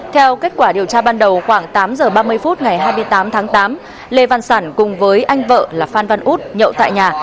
theo kết quả điều tra ban đầu khoảng tám giờ ba mươi phút ngày hai mươi tám tháng tám lê văn sản cùng với anh vợ là phan văn út nhậu tại nhà